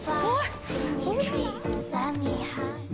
โอ๊ย